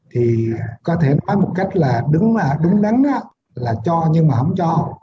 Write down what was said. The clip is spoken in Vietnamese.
thì có thể nói một cách là đúng đắn là cho nhưng mà không cho